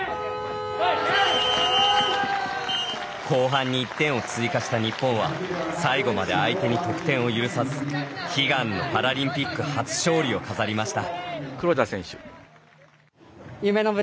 後半に１点を追加した日本は最後まで相手に得点を許さず悲願のパラリンピック初勝利を飾りました。